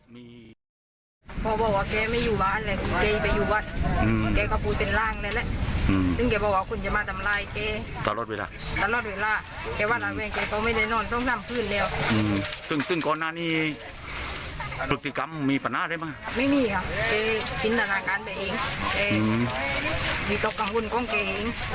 มีตกกังวลกว้างเก๋งไม่มีใครทำร้ายเลย